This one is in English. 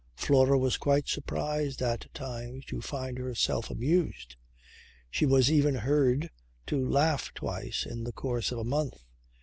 Flora was quite surprised at times to find herself amused. She was even heard to laugh twice in the course of a month.